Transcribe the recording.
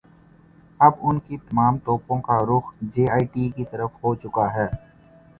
اب ان کی تمام توپوں کا رخ جے آئی ٹی کی طرف ہوچکا ہے۔